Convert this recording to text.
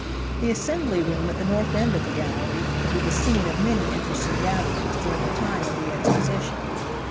The Assembly room at the north end of the gallery will be the scene of many interesting gatherings during the time of the Exposition.